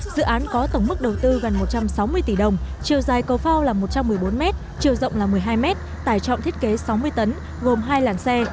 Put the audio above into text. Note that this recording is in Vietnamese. dự án có tổng mức đầu tư gần một trăm sáu mươi tỷ đồng chiều dài cầu phao là một trăm một mươi bốn m chiều rộng là một mươi hai mét tải trọng thiết kế sáu mươi tấn gồm hai làn xe